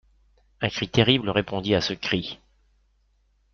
Un cri terrible répondit à ce cri.